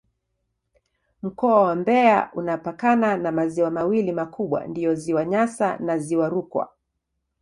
Mkoa wa Mbeya inapakana na maziwa mawili makubwa ndiyo Ziwa Nyasa na Ziwa Rukwa.